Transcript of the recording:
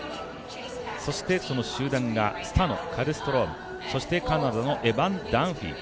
そして、集団がスタノ、カルストロームそしてカナダのエバン・ダンフィー。